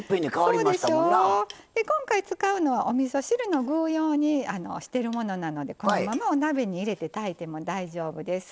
今回使うのはおみそ汁の具用にしてるものなのでこのままお鍋に入れて炊いても大丈夫です。